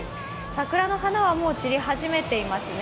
桜の花はもう散り始めていますね。